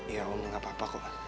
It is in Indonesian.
ya om gapapa kok